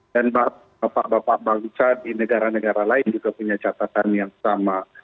dan bapak bapak bangsa di negara negara lain juga punya catatan yang sama